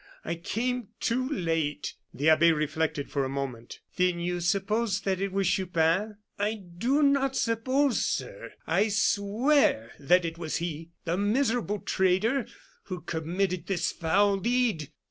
I came too late!" The abbe reflected for a moment. "Then you suppose that it was Chupin?" "I do not suppose, sir; I swear that it was he the miserable traitor! who committed this foul deed."